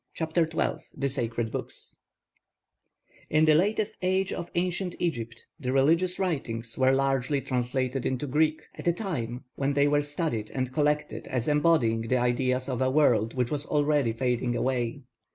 CHAPTER XII THE SACRED BOOKS In the latest age of ancient Egypt the religious writings were largely translated into Greek, at a time when they were studied and collected as embodying the ideas of a world which was already fading away.